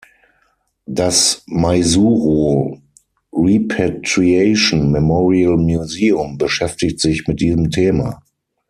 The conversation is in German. Das Maizuru Repatriation Memorial Museum beschäftigt sich mit diesem Thema.